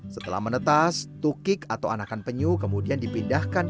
setelah menetas tukik atau anakan penyu kemudian dipindah ke tempat lain